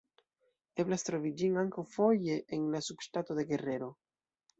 Eblas trovi ĝin ankaŭ foje en la subŝtato de Guerrero.